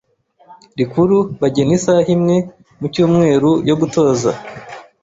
rikuru bugena isaha imwe mu cyumweru yo gutoza.